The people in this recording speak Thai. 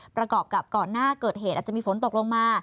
ประกอบกับก่อนหน้าเกิดเหตุอาจจะมีฝนตกลงมา